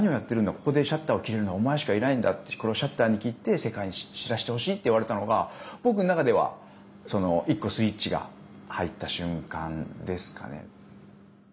ここでシャッターを切れるのはお前しかいないんだってシャッターを切って世界に知らせてほしいと言われたのが僕の中では１個スイッチが入った瞬間ですかね。